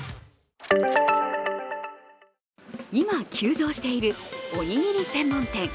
今、急増している、おにぎり専門店。